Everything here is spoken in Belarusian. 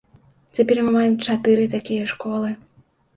Цяпер мы маем чатыры такія школы.